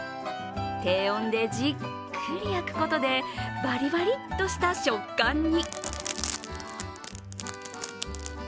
低温でじっくり焼くことで、バリバリッとした食感に。